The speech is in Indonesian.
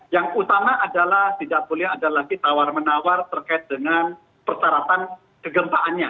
yang utama adalah tidak boleh ada lagi tawar menawar terkait dengan persyaratan kegempaannya